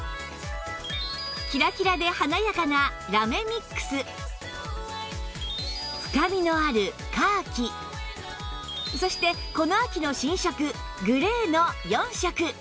キラキラで華やかな深みのあるそしてこの秋の新色グレーの４色